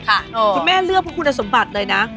คุณแม่เลือกเพราะคุณสมบัติเลยนะ